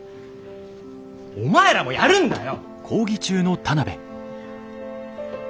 お前らもやるんだよ！